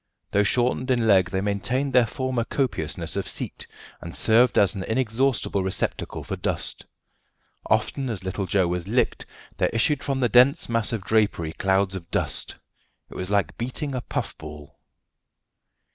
Though shortened in leg, they maintained their former copiousness of seat, and served as an inexhaustible receptacle for dust. Often as little Joe was "licked" there issued from the dense mass of drapery clouds of dust. It was like beating a puff ball.